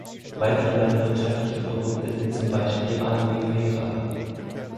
Weitere landwirtschaftliche Produkte sind zum Beispiel "Aloe vera".